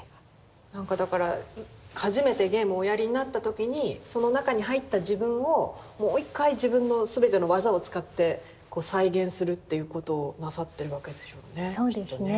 なんかだから初めてゲームをおやりになった時にその中に入った自分をもう一回自分の全ての技を使って再現するっていうことをなさってるわけでしょうねきっとね。